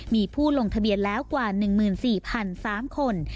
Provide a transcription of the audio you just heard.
มีผู้ลงทะเบียนแล้วกว่า๑๔๓คน